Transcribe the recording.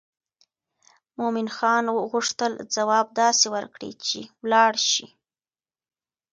مومن خان غوښتل ځواب داسې ورکړي چې ولاړ شي.